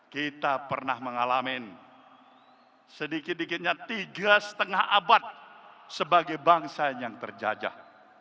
kita pernah mengalami sedikit dikitnya tiga lima abad sebagai bangsa yang terjajah